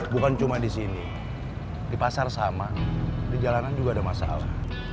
bukan cuma di sini di pasar sama di jalanan juga ada masalah